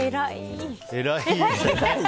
偉い。